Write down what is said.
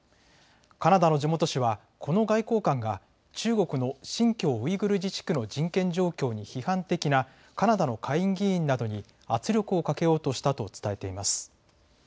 カナダの地元紙はこの外交官が中国の新疆ウイグル自治区の人権状況に批判的なカナダの下院議員などに圧力をかけようとしたと伝えています。